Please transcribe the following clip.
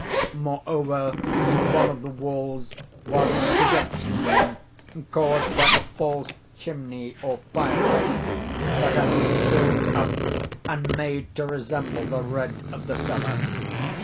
Moreover, in one of the walls was a projection, caused by a false chimney, or fireplace, that had been filled up, and made to resemble the red of the cellar.